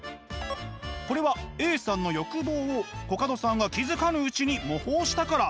これはＡさんの欲望をコカドさんが気付かぬうちに模倣したから。